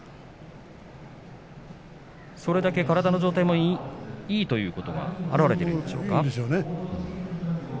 それだけ体の状態もいいということがいいんでしょうね。